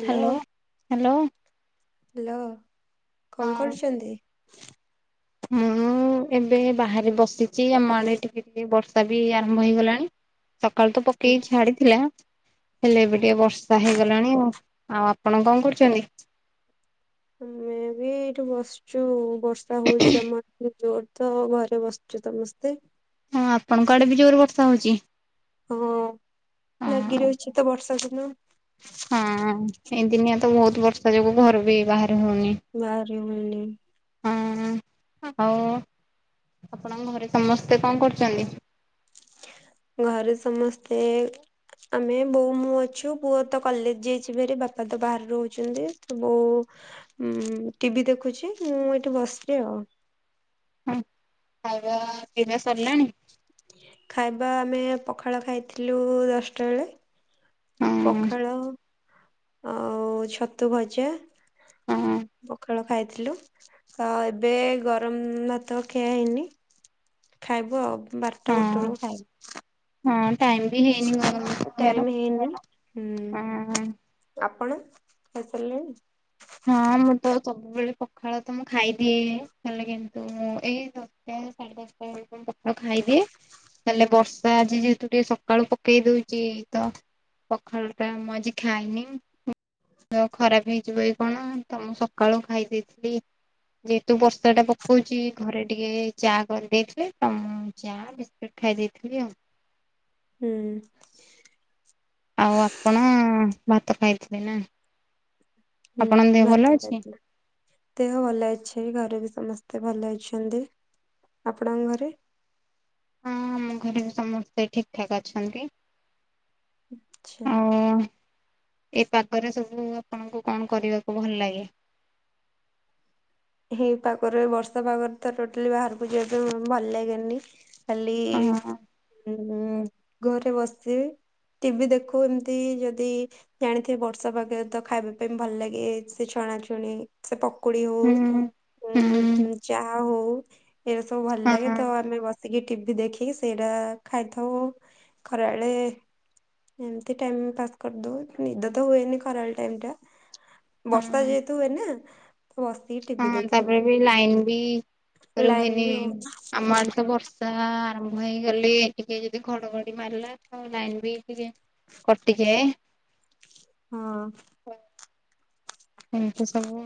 Hello hello. Hello କଣ ହଁ। କରୁଛନ୍ତି? ମୁଁ ଏବେ ବାହାରେ ବସିଛି ଆମ ଆଡେ ଟିକେ ଟିକେ ବର୍ଷା ବି ଆରମ୍ଭ ହେଇଗଲାଣି ସକାଳୁ ତ ପକେଇକି ଛାଡିଥିଲା ହେଲେ ଏବେ ଟିକେ ବର୍ଷା ହେଇଗଲାଣି ଆଉ ଆଉ ଆପଣ କଣ କରୁଛନ୍ତି? ମେ ବି ଏଇଠୁ ବସଛୁ ବର୍ଷା ହଉଛି ଆମର ଜୋର ତ ଘରେ ବସିଛୁ ସମସ୍ତେ। ହଁ ଆପଣଙ୍କ ଆଡେ ବି ଜୋର ବର୍ଷା ହଉଛି? ହଁ ଲାଗି ହଁ ରହିଛି ତ ବର୍ଷା ଦିନ। ହଁ ଏ ଦିନିଆ ତ ବହୁତ ବର୍ଷା ଯୋଗୁ ଘରୁ ବି ବାହାରେ ବାହାରି ହେଉନି। ହୁଁ ହଉ ଆପଣଙ୍କ ଘରେ ସମସ୍ତେ କଣ କରୁଛନ୍ତି? ଘରେ ସମସ୍ତେ ଆମେ ବୋଉ ମୁଁ ଅଛୁ ପୁଅ ତ କଲେଜ ଯାଇଛି ଭାରି ବାପା ତ ବାହାରୁ ରହୁଛନ୍ତି ତ ବୋଉ ଉଁ ଟିଭି ଦେଖୁଛି ମୁଁ ଏଠି ବସିଛିି ଆଉ ହଁ ଖାଇବା ପିବା ସରିଲାଣି? ଖାଇବା ଆମେ ପଖାଳ ଖାଇଥିଲୁ ଦଶଟା ବେଳେ ହଁ ପଖାଳ ଆଉ ଛତୁ ଭଜା ହଁ ପଖାଳ ଖାଇଥିଲୁ ଆ ଏବେ ଗରମ ଭାତ ଖିଆ ହେଇନି। ଖାଇବୁ ଆଉ ବାରଟା ହଁ ଗୋଟେ ବେଳକୁ ଖାଇବୁ। ହଁ ଟାଇମ ବି ହେଇନି ଗରମ ଖାଇବାର। ଟାଇମ ହେଇନି ହୁଁ। ହଁ ଆପଣ? ଖାଇସାରିଲେଣି? ହଁ ମୁଁ ତ ସବୁବେଳେ ପଖାଳ ତ ମୁଁ ଖାଇଦିଏ ହେଲେ କିନ୍ତୁଁ ମୁଁ ଏଇ ଦଶଟା ସାଢ଼େ ଦଶଟା କଣ ପଖାଳ ଖାଇଦିଏ ତାହେଲେ ବର୍ଷା ଆଜି ଯେହେତୁ ଟିକେ ସକାଳୁ ପକେଇ ଦଉଛି ତ ପଖାଳ ଟା ମୁ ଆଜି ଖାଇନି। ମୋ ଦେହ ଖରାପ ହେଇଯିବ ଏ କଣ ତ ମୁଁ ସକାଳୁ ଖାଇ ଦେଇଥିଲି ଯେହେତୁ ବର୍ଷା ଟା ପକଉଛିି ଘରେ ଟିକେ ଚା କରିଦେଇଥିଲେ ତମ ଚା ବିସ୍ଟ ଖାଇ ଦେଇଥିଲି ଆଉ। ହୁଁ ଆଉ ଆପଣ ଭାତ ଖାଇଥିବେ ନା? ହୁଁ ଆପଣଙ୍କ ଦେହ ଭଲ ଭାତ ଅଛି? ଖାଇଥିଲି ଦେହ ଭଲ ଅଛି ଘରେ ବି ସମସ୍ତେ ଭଲ ଅଛନ୍ତି। ଆପଣଙ୍କ ଘରେ? ହଁ ଆମ ଘରେ ବି ସମସ୍ତେ ଠିକ ଠାକ୍ ଅଛନ୍ତି। ଆଚ୍ଛା ଆଉ ଏ ପାଗରେ ସବୁ ଆପଣଙ୍କୁ କଣ କରିବାକୁ ଭଲ ଲାଗେ? ହଇ ପାଗରେ ବର୍ଷା ପାଗରେ ତ ଟୋଟାଲି ବାହାରକୁ ଯିବା ପାଇଁ ଭଲ ଲାଗେନି ଖାଲି ହଁ ଉ ଘରେ ବସିବେ। ଟିଭି ଦେଖୁ ଏମତି ଯଦି ଜାଣିଥିବ ବର୍ଷା ପାଗରେ ତ ଖାଇବା ପାଇଁ ଭଲ ଲାଗେ ସେ ଛ ଛଣାଛୁଣି ସେ ପକୁଡି ହଉ ହୁଁ ହୁଁ ଉ ଚାହା ହଉ ଏଇରା ସବୁ ଭଲ ହଁ ଲାଗେ ତ ଆମେ ବସିକି ଟିଭିି ଦେଖିକି ସେଇଟା ଖାଇଥାଉ ଖରାବେଳେ ଏମତି ଟାଇମ ପାସ୍ କରିଦଉ ନିଦ ତ ହୁଏନି ଖରା ବେଳ ଟାଇମ ଟା। ହଁ ବର୍ଷା ଯେହେତୁ ହୁଏନା ହଁ ତାପରେ ବି ଲାଇନ ବି ଲାଇନ ରୋହେନି ବି ରହୁଛି ଆମ ଆଡେ ତ ବର୍ଷା ଆ ମୁ ହେଇ ଗଲି ଟିକେ ଯଦି ଘଡଘଡି ମାରିଲା ଆ ଲାଇନ ବି ଟିକେ କଟିିଯାଏ। ହଁ। ଏମିତି ସବୁ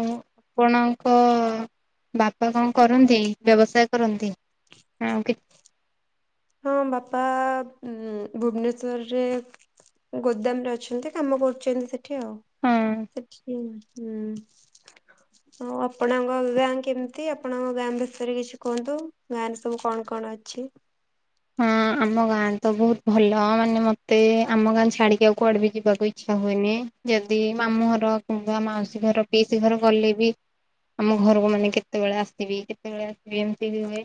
ଆଉ କଣ। [inaudible] ବାପା କଣ କରନ୍ତି ବ୍ୟବସାୟ କରନ୍ତି ଆଉ। କି ହଁ ବାପା ଉଁ ଭୁବନେଶ୍ୱରରେ ଗୋଦାମ ରେ ଅଛନ୍ତି କାମ କରୁଛନ୍ତି ସେଠି ଆଉ ହଁ ସେଠି ହୁଁ। [inaudible] ଆଉ ଆପଣଙ୍କ ଗାଁ କେମିତି ଆପଣଙ୍କ ଗାଁ ବିଷୟରେ କିଛି କୁହନ୍ତୁ ଗାଁରେ ସବୁ କଣ, କଣ ଅଛି। ହଁ ଆମ ଗାଁ ତ ବହୁତ ଭଲ ମାନେ ମତେ ଆମ ଗାଁ ଛାଡିକି ଆଉ କୁଆଡେ ବି ଯିବାକୁ ଇଛା ହୁଏନି ଯଦି ଆାମ ଘର [unintelligible] ମାଉସୀ ଘର ପିସି ଘର ଗଲେ ବି ଆମ ଘରକୁ ମାନେ କେତେବେଳେ ଆସିବି କେତେବେଳେ ଆସିବି ଏମିତି ବି ହୁଏ।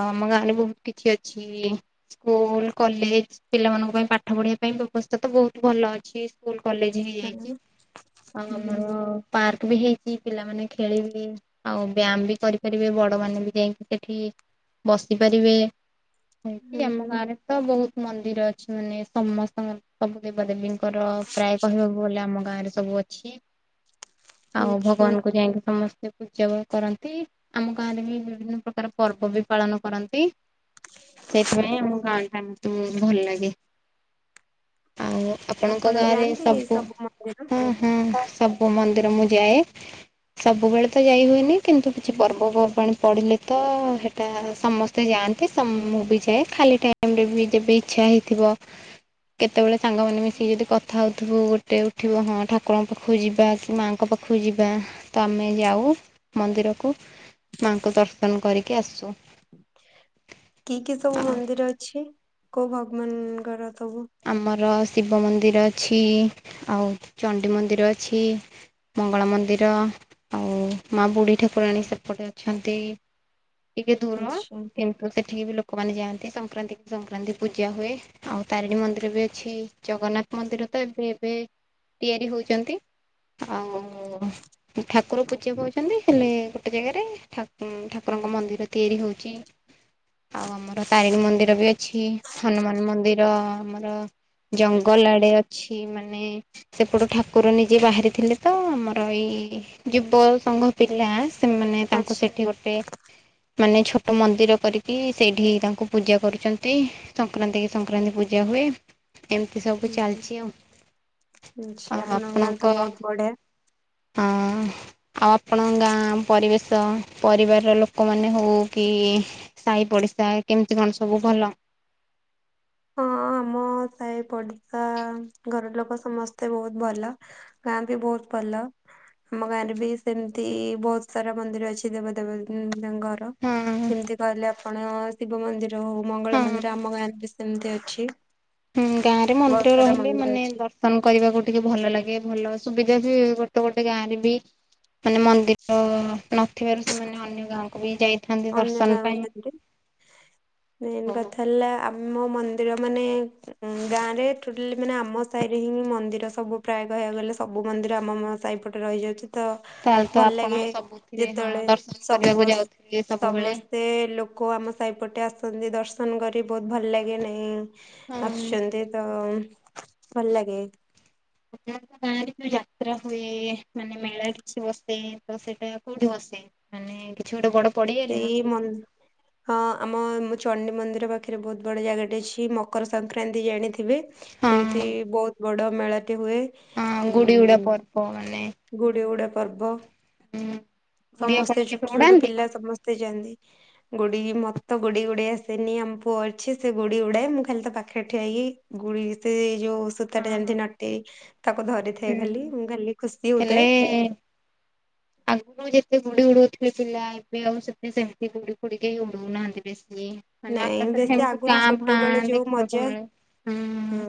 ହଁ ଆମ ଗାଁରେ ବହୁତ କିଛି ଅଛି। ସ୍କୁଲ କଲେଜ ପିଲାମାନଙ୍କ ପାଇଁ ପାଠ ପଢିବା ପାଇଁ ବ୍ୟବସ୍ଥା ତ ବହୁତ ଭଲ ଅଛି ସ୍କୁଲ କଲେଜ ହେଇଯାଇଛି ଆଉ ହୁଁ ଆମର ପାର୍କ। ବି ହେଇଛି ପିଲାମାନେ ଖେଳିବେ ଆଉ ବ୍ୟାୟାମ ବି କରିପାରିବେ ବଡ ମାନେ ବି ଯାଇକି ସେଠି ବସି ପାରିବେ। ସେଇଠି ଆମ ହୁଁ ଗାଁରେ ତ ବହୁତ ମନ୍ଦିର ଅଛି ମାନେ ସମସ୍ତଙ୍କ ସବୁ ଦେ ଦେବା ଦେବୀଙ୍କର ପ୍ରାୟ କହିବାକୁ ଗଲେ ଆମ ଗାଁ ରେ ସବୁ ଅଛି। ଆଉ ଆଚ୍ଛା ଭଗବାନ କୁ ଯାଇଁକି ସମସ୍ତେ ସେ ପୂଜା ପାଇ କରନ୍ତି ଆମ ଗାଁରେ ବି ବିଭିନ୍ନ ପ୍ରକାର ପର୍ବ ବି ପାଳନ କରନ୍ତି। ସେଇଥିପାଇଁ ଆମ ଗାଁ ଟା ମତେ ବହୁତୁ ଭଲ ଲାଗେ। ଆଉ ଆପଣଙ୍କ ଆପଣ ଗାଁରେ ଯାଆନ୍ତି ଏ ସବୁ ମନ୍ଦିର? ହଁ, ହଁ ସବୁ ମନ୍ଦିର ମୁ ଯାଏ ସବୁବେଳେ ତ ଯାଇ ହୁଏନି କିନ୍ତୁ କିଛି ପର୍ବପର୍ବାଣିୀ ପଡିଲେ ତ ହେଟା ସମସ୍ତେ ଯାଆନ୍ତି। ତ ମୁଁ ବି ଯାଏ ଖାଲି ଟାଇମରେ ବି ଯେବେ ଇଛା ହେଇଥିବ କେତେବେଳେ ସାଙ୍ଗମାନେ ମିଶିକି ଯଦି କଥା ହଉଥିବୁ ଗୋଟେ ଉଠିବ ହଁ ଠାକୁରଙ୍କ ପାଖକୁ ଯିବା କି ମାଆଙ୍କ ପା ପାଖକୁ ଯିବା ତ ଆମେ ଯାଉ ମନ୍ଦିରକୁ। ମାଙ୍କୁ ଦର୍ଶନ କରିକି ଆସଚୁ। କି କି ସବୁ ମନ୍ଦିର ଅଛି କୋଉ ଭଗବାନଙ୍କର? ସବୁ ଆମର ଶିବ ମନ୍ଦିର ଅଛି, ଆଉ ଚଣ୍ଡି ମନ୍ଦିର ଅଛି। ମଙ୍ଗଳା ମନ୍ଦିର ଆଉ ମା ବୁଢ଼ୀ ଠାକୁରାଣୀ ସେପଟେ ଅଛନ୍ତି। ଟିକେ ଦୁର ଆଚ୍ଛା। କିନ୍ତୁ ସେଠିକି ବି ଲୋକ ଲୋକମାନେ ଯାଆନ୍ତି ସଂକ୍ରାନ୍ତି ସଂକ୍ରାନ୍ତି ପୂଜା ହୁଏ ଆଉ ତାରିଣୀ ମନ୍ଦିର ବି ଅଛି। ଜଗନ୍ନାଥ ମନ୍ଦିର ତ ଏବେ ଏବେ ତିଆରି ହଉଛନ୍ତି ଆଉ। ଓ ଠାକୁର ପୂଜା ପାଉଛନ୍ତି ହେଲେ ଗୋଟେ ଜାଗାରେ ଠାକୁ ଠାକୁରଙ୍କ ମନ୍ଦିର ତିଆରି ହଉଛି। ଆଉ ଆମର ତାରିଣୀ ମନ୍ଦିର ବି ଅଛି, ହନୁମାନ ମନ୍ଦିର ଆମର। ଜଙ୍ଗଲ ଆଡେ ଅଛି ମାନେ ସେପଟୁ ଠାକୁର ନିଜେ ବାହାରିଥିଲେ ତ ଆମର ଏଇ ଯୁବ ସଂଘ ପିଲା ସେମାନେ ତାଙ୍କୁ ଆଚ୍ଛା ସେଠି ଗୋଟେ ମାନେ ଛୋଟ ମନ୍ଦିର କରିକି ସେଇଠି ତାଙ୍କୁ ପୂଜା କରୁଛନ୍ତି ସଂକ୍ରାନ୍ତି କି ସଂକ୍ରାନ୍ତି ପୂଜା ହୁଏ। ଏମିତି ସବୁ ହୁଁ ଚାଲିଛି ଆଉ। ଆଚ୍ଛା ଆ ଗାଁ ତ ଆପଣଙ୍କ ହଁ। ବହୁତ ବଢିଆ। ଆଉ ଆପଣଙ୍କ ଗାଁ, ପରିବେଶ, ପରିବାରର ଲୋ ସାହି ପଡିଶା କେମିତି କଣ ସବୁ ଭଲ? ହଁ। ଆମ ସାହି ପଡିଶା ଘର ଲୋକ ସମସ୍ତେ ବହୁତ ଭଲ, ଗାଁ ବି ବହୁତ ଭଲ ଆମ ଗାଁ ରେ ବି ସେମତି ବହୁତ ସାରା ମନ୍ଦିର ଅଛି ଦେବ ଦେବ ଙ୍କର। ହଁ ଯେମିତି କହିଲେ ଆପଣ ଶିବ ମନ୍ଦିର ହଉ ମଙ୍ଗଳ ହଁ ମନ୍ଦିର ଆମ ଗାଁରେ ସେମିତି ଅଛି। ହୁଁ ଗାଁରେ ବହୁତ ମନ୍ଦିର ସାରା ରହିଲେ ମନ୍ଦିର ମାନେ ଅଛି ଦର୍ଶନ କରିବାକୁ ଟିକେ ଭଲ ଲାଗେ। ଭଲ ସୁବିଧା ବି ଗୋଟେ ଗୋଟେ ଗାଁ ରେ ବି ମାନେ ମନ୍ଦିର ନ ଥିବାରୁ ସେମାନେ ଅନ୍ୟ ଗାଁକୁ ବି ଯାଇ ଅନ୍ୟ ଗାଁକୁ ଯାନ୍ତି। ମେନ୍ ହଉ କଥା ହେଲା ଆମ ମନ୍ଦିର ମାନେ ଗାଁ ରେ ଟୋଟାଲି ମାନେ ଆମ ସାହି ହିଁ ମନ୍ଦିର ସବୁ ପ୍ରାୟ କହିବାକୁ ଗଲେ ସବୁ ମ ମନ୍ଦିର ଆମ ମ ସାଇପଟେ ରହିଯାଉଛି। ତ ତାହେଲେ ତ ଭଲ ଆପଣ ଲାଗେ, ସବୁଥିରେ ହଁ ଯେତେବେଳେ ଦର୍ଶନ କରିବାକୁ ସବୁଅସ୍ ଯାଉଥିବେ ସବୁବେଳେ। ସମସ୍ତେ ଲୋକ ଆମ ସାହିପଟେ ଆସନ୍ତି ଦର୍ଶନ କରି ବହୁତ ଭଲ ଲାଗେ ନହିଁ। ହଁ ଆସୁଛନ୍ତି ତ ଭଲ ଲାଗେ। ତମ ଗାଁରେ ଯୋଉ ଯାତ୍ରା ହୁଏ ମାନେ ମେଳା କିଛି ବସେ ତ ସେଇଟା କୋଉଠି ବସେ? ମାନେ କିଛି ଗୋଟେ ବଡ ପଡିଆରେ ନା ସେଇ ମ କୋଉଠି? ହଁ ଆମ ମୂଚ ଚଣ୍ଡି ମନ୍ଦିର ପାଖରେ ବହୁତ ବଡ ଜାଗାଟି ଅଛି ମକର ସଂକ୍ରାନ୍ତି ଜାଣିି ଥିବେ ସେଇଠି ହଁ ବହୁତ ବଡ ମେଳାଟି ହୁଏ। ହଁ ଗୁଡି ଉଡା ଉଁ ପର୍ବ ମାନେ ଗୁଡ଼ି ଉଡା ପର୍ବ। ହୁଁ ଗୁଡି ଆପଣ ସମସ୍ତେ କେବେ ଛୋଟ ଛୋଟ ଉଡାନ୍ତି? ପିଲା ସମସ୍ତେ ଯାଆନ୍ତି। ଗୋଡି ମତେ ଗୋଡି ଉଡେଇ ଆସେନି ଆମ ପୁଅ ଅଛି ସେ ଗୋଡି ଉଡାଏ। ମୁଁ ଖାଲି ତ ପାଖରେ ଠିଆଇକି ଗୁ। [unintelligible] ଯୋଉ ସୂତା ଟା ହଁ ଯେମିତି ହଁ। ନଟି ତାକୁ ଧରିଥାଏ ଖାଲି, ହୁଁ ମୁଁ ଖାଲି ଖୁସି ହେଲେ ହଉଥାଏ। ଆଗରୁ ଯେତେ ଗୁଡି ଉଡଉଥିଲେ ପିଲା ଏବେ ଆଉ ସେତେ ସେମିତି ଗୁଡି ଫୁଡି କେହି ଉଡଉନାହାନ୍ତି ବେଶି। ମାନେ ନାଇଁ ଆକାଶରେ ବେଶୀ ସେମତି ଆଗରୁ କାଁ ଛୋଟ ବେଳେ ଭାଁ ଯୋଉ ଦେଖିବାକୁ ମଜା ମିଳେ, ହୁଁ।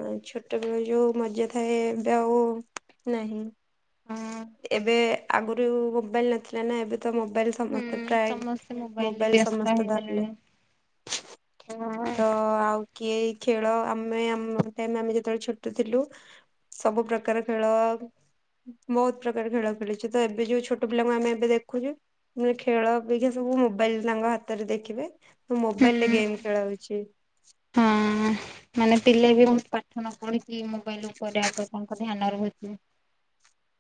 ସେ ଯୋଉ ମଜା ଥାଏ ଏବେ ଆଉନାହିଁ। ହଁ ଯୋଉ ମୋବାଇଲ ନଥିଲା ନା ଏବେ। ତ ମୋବାଇଲ ହୁଁ ସମସ୍ତେ ପ୍ରାୟ ସମସ୍ତେ ମୋବାଇଲରେ ମୋବାଇଲ ବ୍ୟସ୍ତ ସମସ୍ତେ ଧରଲେ। ହେଇଗଲେଣି। ତ ହଁ ଆଉ କିଏ? ଖେଳ ଆମେ ଆମ ଟାଇମ ଆମେ ଯେତେବେଳେ ଛୋଟ ଥିଲୁ। ସବୁ ପ୍ରକାର ଖେଳ ବହୁତ ପ୍ରକାର ଖେଳ ଖେଳିଚୁ ତ ଏବେ ଯୋଉ ଛୋଟ ପିଲାଙ୍କୁ ଆମେ ଏବେ ଦେଖୁଛୁ ମାନେ ଖେଳ ଆପେକ୍ଷା ସବୁ ମୋବାଇଲ ହାତରେ ଦେଖିବେ ମୁଁ ମୋବାଇଲ ରେ ହୁଁ। ଗେମ ଖେଳାହଉଛି। ହଁ ମାନେ ପିଲା ବି ମୁଁ ପାଠ ନ ପଢିଛିି ମୋବାଇଲ ଉପରେ ଆଗ ତାଙ୍କ ଧ୍ୟାନ ରହୁଛି।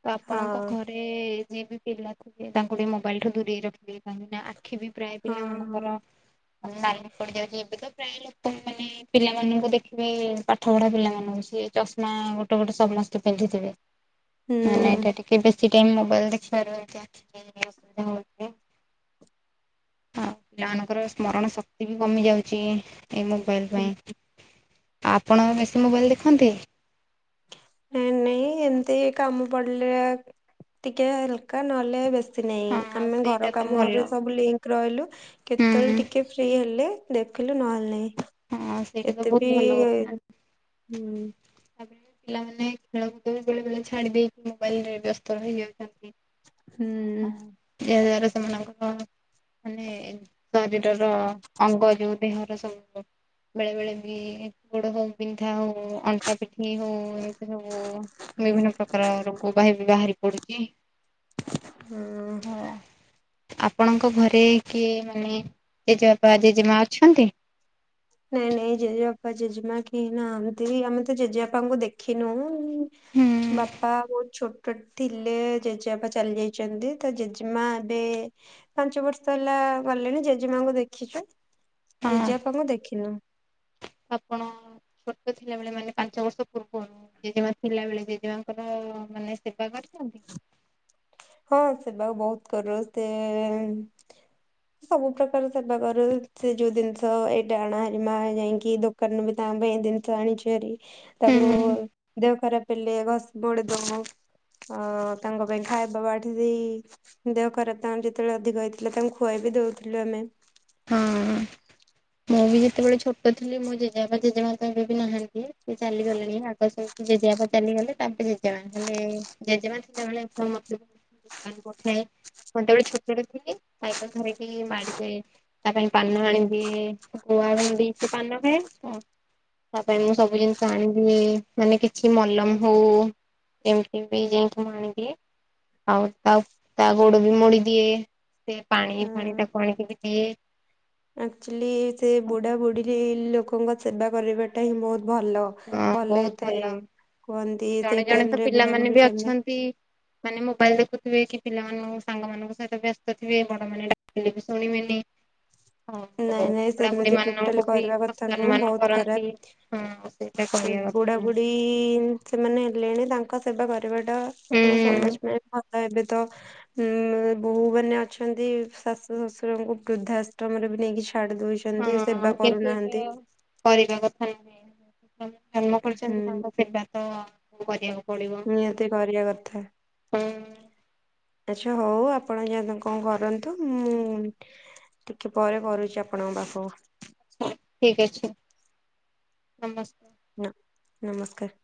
ତ ହଁ ଆପଣଙ୍କ ଘରେ ଯିଏ ବି ପିଲା ଥିବେ ତାଙ୍କୁ ଟିକେ ମୋବାଇଲଠୁ ଦୂରେଇ କି ରଖିବେ କାହିଁକି ନା ଆଖି ବି ପ୍ରାୟ ହଁ ପିଲା ହଁ ମାନଙ୍କର ନାଲି ପଡି ଯାଉଛି ଏବେ ତ ପ୍ରାୟ ଲୋକ ମାନେ ପିଲାମାନଙ୍କୁ ଦେଖିବେ ପାଠ ପଢା ପିଲାମାନଙ୍କୁ ଚଷମା ଗୋଟେ ଗୋଟେ ସମସ୍ତେ ପିନ୍ଧିଥିବେ। ନା ନା ଏଇଟା ଟିକେ ବେଶୀ ସେ ଟାଇମ ମୋବାଇଲ ଦେଖିବାର ଅସୁବିଧା ହଉଛି। ଆଉ ପିଲାମାନଙ୍କର ସ୍ମରଣ ଶକ୍ତି ବି କମି ଯାଉଛି। ଏଇ ମୋବାଇଲ ହୁଁ ପାଇଁ ଆଉ ଆପଣ ବେଶି ମୋବାଇଲ ଦେଖନ୍ତି? ନାଇଁ ନାଇଁ ଏମତି କାମ ପଡିଲେ ଟିକେ ହଲକା ନହେଲେ ବେ ଶୀତ ନାଇଁ ହଁ ଆମେ ସେଇଟା ଘର ତ ଭଲ କାମରେ ସବୁ ଲିଙ୍କ ରହିଲୁ ହୁଁ କେତେବେଳେ ଟିକେ ଫ୍ରି ହେଲେ ଦେଖିଲୁ ନହେଲେ ନାଇଁ ହଁ ସେଇଟା ତ ଏତେ ବହୁତ ବି ଭଲ କଥା। ହୁଁ। ତାପରେ ପିଲାମାନେ ଖେଳକୁଦରେ ବେଳେ ବେଳେ ଛାଡି ଦେଇକି ମୋବାଇଲରେ ବ୍ୟସ୍ତ ରହିଯାଉଛନ୍ତି। ହୁଁ। ଏହା ଦ୍ବାରା ସେମାନଙ୍କର ମାନେ ଶରୀରର ଅଙ୍ଗ ଯୋଉ ଦେହର ସବୁ ବେଳେ ବେଳେ ବି ଗୋଡ ହଉ ବିନ୍ଧା ଆଉ ଅଣ୍ଟା ପିଠି ହଉ ଏମିତି ସବୁ ବିଭିନ୍ନ ପ୍ରକାର ରୋଗ ବାହାରି ପଡୁଛି। ହୁଁ। ତ ଆପଣଙ୍କ ଘରେ କିଏ ମାନେ ଜେଜେବାପା ଜେଜେମା ଅଛନ୍ତି? ନାଇଁ ନାଇଁ ଜେଜେବାପା ଜେଜେମା କେହି ନାହାନ୍ତି ଆମେ ତ ଜେଜେବାପାଙ୍କୁ ଦେଖିନୁ। ହୁଁ ବାପା ବହୁତ ଛୋଟ ଥିଲେ ଜେଜେବାପା ଚାଲି ଯାଇଛନ୍ତି ତା ଜେଜେମା ଏବେ ପାଞ୍ଚ ବର୍ଷ ହେଲା ଗଲେଣି ଜେଜେମାଙ୍କୁ ଦେଖିଛୁ ହଁ ଜେଜେପାଙ୍କୁ ଦେଖି ଆପଣ ଥିଲାବେଳେ ମାନେ ପାଞ୍ଚ ବର୍ଷ ପୂର୍ବରୁ ଜେଜେମା ଥିଲାବେଳେ ଜେଜେମାଙ୍କର ମାନେ ସେବା କରିଛନ୍ତି? ହଁ ସେବା ବହୁତ କରୁ। ସେ ସବୁ ପ୍ରକାର ସେବା କରୁ ସେ ଯୋଉ ଜିନିଷ ଏଇଟା ଆଣ ମା ଯାଇକି ଦୋକାନରୁ ବି ତା ପାଇଁ ଜିନିଷ ଆଣିଛୁ ଯେପରି ତାଙ୍କୁ ହୁଁ ଦେହ ଖରାପ ପିଲେ ଘସି ମୋଡିଦବୁ ତାଙ୍କ ପାଇଁ ଖାଇବା ବାବା ଏଠି ଦେହ ଖରାପ ତାଙ୍କ ଯେତେବେଳେ ଅଧିକ ହେଇଥିଲା ତାଙ୍କୁ ଖୁଆଇବି ଦଉଥିଲୁ ଆମେ। ହୁଁ। ମୁଁ ବି ଯେତେବେଳେ ଛୋଟ ଥିଲି ମୁଁ ଜେଜେବାପା ଜେଜେମା ତ ଏବେ ବି ନାହାନ୍ତି ସେ ଚାଲିଗଲେଣି ଆଗ ଜେଜେବାପା ଚାଲିଗଲେ ତାପରେ ଜେଜେମା ହେଲେ ଜେଜେମା ଥିଲାବେଳେ ତାଙ୍କୁ ପଠାଏ ମୁଁ ସେତେବେଳେ ଛୋଟଟେ ଥିଲି ଖାଇବା ଧରିକି ମାଡିିଯାଏ। ତା ପାଇଁ ପାନ ଆଣିବି ଗୁଆ ଗୁଣ୍ଡି ପାନ ପାଇଁ ତ ତା ପାଇଁ ମୁଁ ସବୁ ଜିନିଷ ଆଣିବି ମାନେ କିଛି ମଲମ ହଉ ଏମିତି ବି ଯାଇକି ମୁଁ ଆଣିଦିଏ ଆଉ ତା ତା ଗୋଡ ବି ମୋଡିଦିଏ। ସେ ପାଣି ହଁ ଫାଣି ତାକୁ ଆଣିକି ବି ଦିଏ। ଆକ୍ଚୁଆଲି ସେ ବୁଢ଼ା ବୁଢ଼ୀରେ ଲୋକଙ୍କ ସେବା କରିବାଟା ହିଁ ବହୁତ ଭଲ ହଁ ଭଲ ବହୁତ ହୋଇଥାଏ। କୁହନ୍ତି ଜଣେ ସେଇ ଜଣେ ତ ଟାଇମରେ ବୁଢା ପିଲାମାନେ ବୁଢୀ ବି ଟାଇମରେ ଅଛନ୍ତି ମାନେ ମୋବାଇଲ ଦେଖୁଥିବେ କି ପିଲାମାନଙ୍କୁ ସାଙ୍ଗମାନଙ୍କ ସହିତ ବ୍ୟସ୍ତ ଥିବେ ବଡ ମାନେ ଡାକିଲେ ବି ଶୁଣିବେନି। ନାଇଁ ଆଉ ନାଇଁ ବୁଢା ବୁଢୀ ସେମିତି ମାନଙ୍କୁ ଟୋଟାଲି ବି କରିବା କଥା ନୁହଁ ଅସମ୍ମାନ ବହୁତ କରନ୍ତି। ଖରାପ। ହଁ ସେଇଟା ସେ କରିବା କଥା ବୁଢା ନୁହେଁ ବୁଢୀ ସେମାନେ ହେଲେଣି ତାଙ୍କ ସେବା କରି ଆମ ହୁଁ ସମାଜ ପାଇଁ ଏବେ ତ ଉଁ ବୋଉ ମାନେ ଅଛନ୍ତି ଶାଶୁ ଶଶୁରଙ୍କୁ ବୃଦ୍ଧାଆଶ୍ରମରେ ବି ନେଇକି ଛାଡି ଦଉଛନ୍ତି ହଁ ସେବା କିନ୍ତୁ ଏଠି କରୁନାହାନ୍ତି କରିବା କଥା ଜନ୍ମ ହୁଁ କରିଛନ୍ତି ତାଙ୍କ ସେବା ତ କରିବାକୁ ପଡିବ। ନିହାତି କରିବା କଥା। ହୁଁ ଆଚ୍ଛା ହଉ ଆପଣ ଯାନ୍ତୁ କଣ କରନ୍ତୁ ମୁଁ ଟିକେ ପରେ କରୁଚି ଆପଣଙ୍କ ପାଖକୁ ଠିକ୍ ଅଛି ନମସ୍କାର। ନା ନମସ୍କାର୍।